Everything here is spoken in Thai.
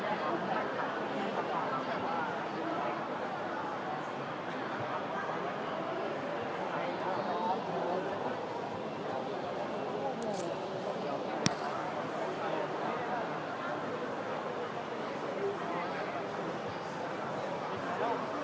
สวัสดีครับ